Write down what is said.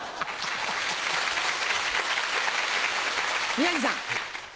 宮治さん。